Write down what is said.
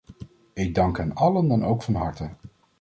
Ik dank hen allen dan ook van harte.